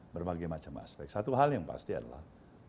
bermacam aspek satu hal yang pasti adalah